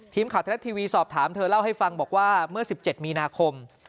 ทีมข่าวไทยรัฐทีวีสอบถามเธอเล่าให้ฟังบอกว่าเมื่อ๑๗มีนาคม